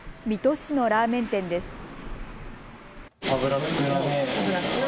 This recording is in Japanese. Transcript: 水戸市のラーメン店です。